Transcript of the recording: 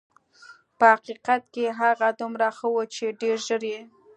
په حقیقت کې هغه دومره ښه وه چې ډېر ژر یې.